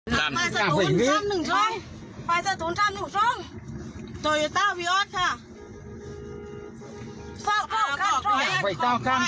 ได้เป็นประกอบสำเร็จ